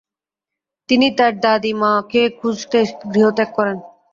তিনি তার দাদীমাকে খুঁজতে গৃহত্যাগ করেন।